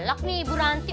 malak nih ibu ranti